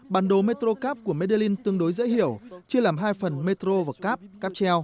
bản đồ metrocab của medellín tương đối dễ hiểu chia làm hai phần metro và cab